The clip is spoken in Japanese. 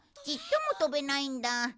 ちっとも飛べないんだ